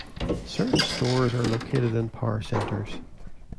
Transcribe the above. Certain stores are located in power centers.